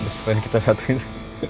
supaya kita satu ini